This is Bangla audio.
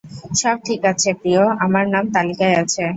সব ঠিক আছে, প্রিয়, আমার নাম তালিকায় আছে।